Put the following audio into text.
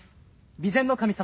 備前守様